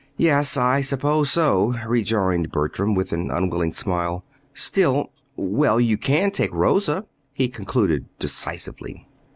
"Yes, I suppose so," rejoined Bertram, with an unwilling smile. "Still well, you can take Rosa," he concluded decisively.